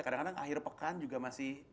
kadang kadang akhir pekan juga masih